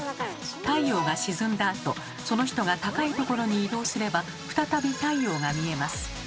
太陽が沈んだあとその人が高いところに移動すれば再び太陽が見えます。